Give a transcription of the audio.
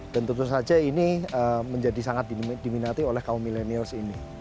dan tentu saja ini menjadi sangat diminati oleh kaum milenials ini